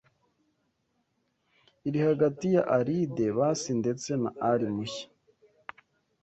riri hagati ya Alide bazi ndetse na Ali mushya